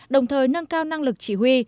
đồng thời nâng cao năng lực chỉ huy